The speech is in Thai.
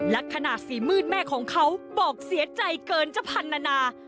และขณะสีมืดแม่ของเขาบอกเสียใจเกินจะพันนานา